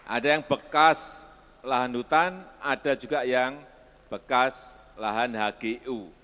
ada yang bekas lahan hutan ada juga yang bekas lahan hgu